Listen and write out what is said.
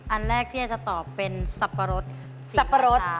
อันแรกที่จะตอบเป็นสับปะรดสิราชา